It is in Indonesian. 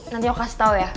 nanti aku kasih tau ya